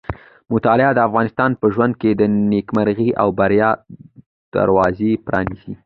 مطالعه د انسان په ژوند کې د نېکمرغۍ او بریا دروازې پرانیزي.